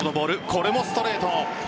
これもストレート。